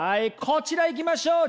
こちらいきましょう！